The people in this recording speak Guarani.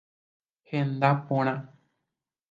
Henda porã.